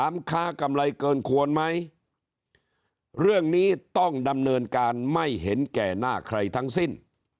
ค้ากำไรเกินควรไหมเรื่องนี้ต้องดำเนินการไม่เห็นแก่หน้าใครทั้งสิ้น